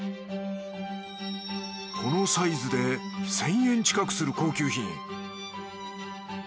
このサイズで１，０００円近くする高級品